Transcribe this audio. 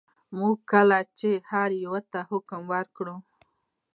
موږ کله چې هر یوه ته حکم وکړو.